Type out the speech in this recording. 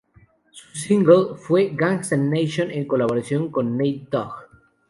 Su single fue "Gangsta Nation" en colaboración con Nate Dogg.